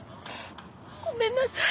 ごめんなさい。